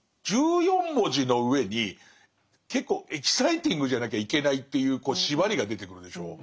１４文字の上に結構エキサイティングじゃなきゃいけないっていうこう縛りが出てくるでしょう。